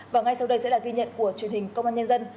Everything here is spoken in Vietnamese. và ngay sau đây sẽ là ghi nhận của truyền hình công an nhân dân